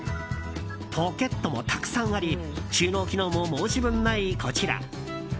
ポケットもたくさんあり収納機能も申し分ないこちら。